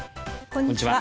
こんにちは。